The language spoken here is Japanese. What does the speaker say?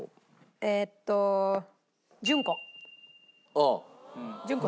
えっと『順子』。